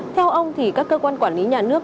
theo ông thì các cơ quan quản lý nhà nước